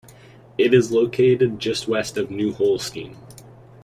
It is located just west of New Holstein.